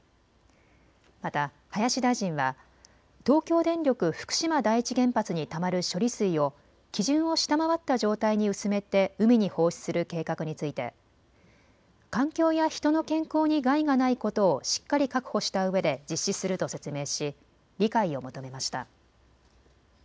また林大臣は東京電力福島第一原発にたまる処理水を基準を下回った状態に薄めて海に放出する計画について環境や人の健康に害がないことをしっかり確保したうえで実施すると説明し理解を求めました。